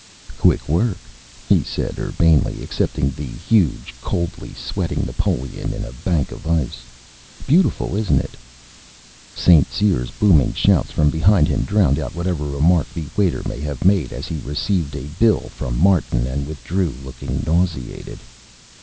"Quick work," he said urbanely, accepting the huge, coldly sweating Napoleon in a bank of ice. "Beautiful, isn't it?" St. Cyr's booming shouts from behind him drowned out whatever remark the waiter may have made as he received a bill from Martin and withdrew, looking nauseated.